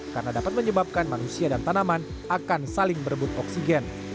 karena dapat menyebabkan manusia dan tanaman akan saling berebut oksigen